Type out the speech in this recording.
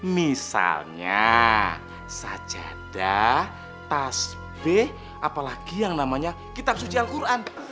misalnya sajadah tasbih apalagi yang namanya kitab suci alquran